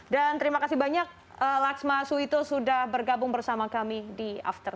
dan terima kasih banyak laksma suwito sudah bergabung bersama kami di after sepuluh